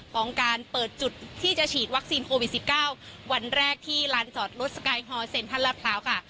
ของการเปิดจุดที่จะฉีดวัคซีนโควิด๑๙วันแรกที่ลานจอดรถสกายฮอลเซ็นทรัลลาดพร้าวค่ะ